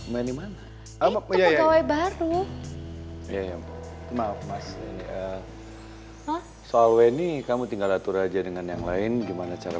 weni mana itu kawai baru maaf mas soal weni kamu tinggal atur aja dengan yang lain gimana cara